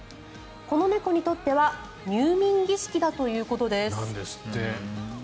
この猫にとっては入眠儀式だということです。